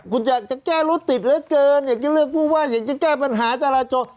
คุณอยากจะแก้รถติดเลยเกินอยากใช้เรื่องพูดว่าอยากจะแก้ปัญหาจาราโจ